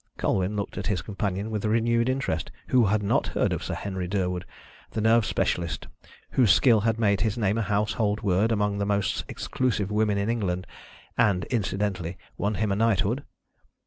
Colwyn looked at his companion with renewed interest. Who had not heard of Sir Henry Durwood, the nerve specialist whose skill had made his name a household word amongst the most exclusive women in England, and, incidentally, won him a knighthood?